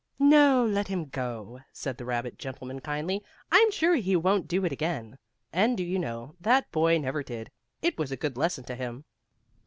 "No, let him go," said the rabbit gentleman, kindly. "I'm sure he won't do it again." And do you know, that boy never did. It was a good lesson to him.